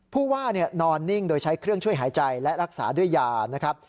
ผู้ว่านอนนิ่งโดยใช้เครื่องช่วยหายใจและรักษาด้วยยานะครับ